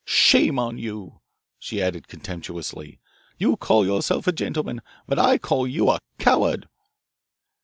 Shame on you," she added contemptuously. "You call yourself a gentleman, but I call you a coward."